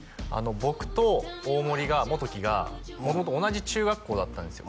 僕と大森が元貴が同じ中学校だったんですよ